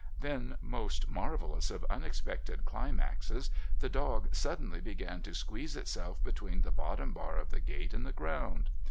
Then, most marvellous of unexpected climaxes, the dog suddenly began to squeeze itself between the bottom bar of the gate and the ground.